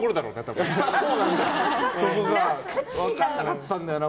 分からなかったんだよな。